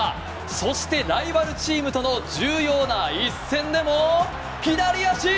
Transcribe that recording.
そしてライバルチームとの重要な一戦でも左足！